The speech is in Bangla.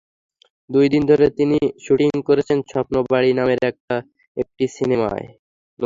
দুই দিন ধরে তিনি শুটিং করছেন স্বপ্নবাড়ি নামের নতুন একটি সিনেমায়।